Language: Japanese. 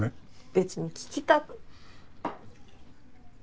別に聞きたく。